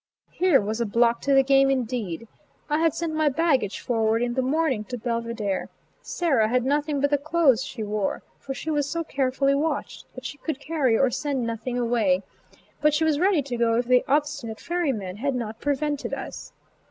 Here was a block to the game, indeed. I had sent my baggage forward in the morning to Belvidere; Sarah had nothing but the clothes she wore, for she was so carefully watched that she could carry or send nothing away; but she was ready to go if the obstinate ferryman had not prevented us.